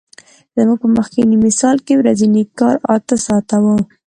زموږ په مخکیني مثال کې ورځنی کار اته ساعته وو